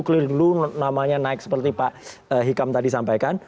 keliru namanya naik seperti pak hikam tadi sampaikan